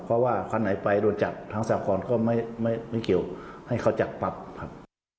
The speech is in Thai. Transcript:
เพราะว่าข้างในไปโดนจับทางสหกรณ์ก็ไม่เกี่ยวให้เขาจับปรับ